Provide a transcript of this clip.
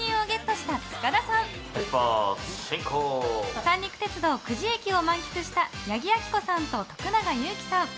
三陸鉄道、久慈駅を満喫した八木亜希子さんと徳永ゆうきさん。